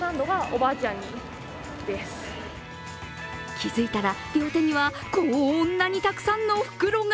気づいたら両手にはこんなにたくさんの袋が。